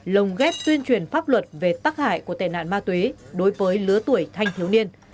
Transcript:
lồng ghép tuyên truyền pháp luật về tắc hại của tệ nạn ma túy đối với lứa tuổi thanh thiếu niên